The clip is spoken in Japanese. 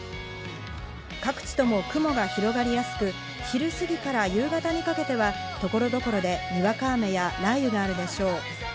各地とも雲が広がりやすく、昼すぎから夕方にかけては所々で、にわか雨や雷雨があるでしょう。